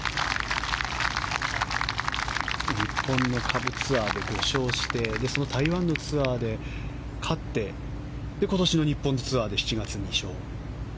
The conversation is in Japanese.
日本の下部ツアーで５勝して台湾のツアーで勝って今年の日本ツアーで７月２勝。